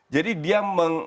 jadi dia mengambil